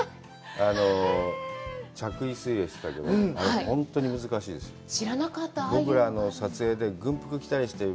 着衣水泳してたけど、あれ、本当に難しいですよね。